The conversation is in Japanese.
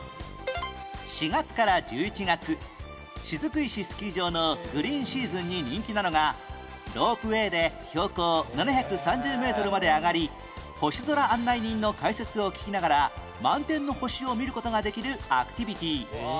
４月から１１月雫石スキー場のグリーンシーズンに人気なのがロープウェーで標高７３０メートルまで上がり星空案内人の解説を聞きながら満天の星を見る事ができるアクティビティ